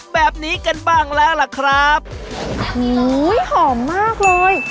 แบบนี้กันบ้างแล้วล่ะครับโอ้โหหอมมากเลย